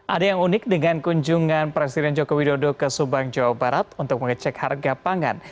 ada yang unik dengan kunjungan presiden joko widodo ke subang jawa barat untuk mengecek harga pangan